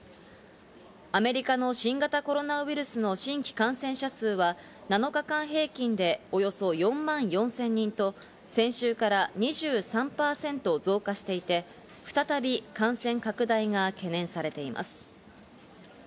アメリカの新型コロナウイルスの新規感染者数は７日間平均でおよそ４万４０００人と先週から２３％増加していて、再び感染拡大が懸念されています。